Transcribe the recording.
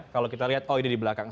kalau kita lihat oh ini di belakang